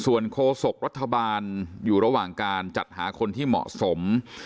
ส่วนโครสกย์รัฐบาลอยู่ระหว่างการจัดหาคนที่เหมาะกันต่างกัน